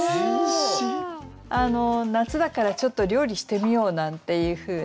夏だからちょっと料理してみようなんていうふうな